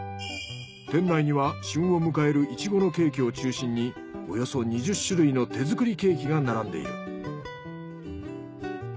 店内には旬を迎えるいちごのケーキを中心におよそ２０種類の手作りケーキが並んでいる。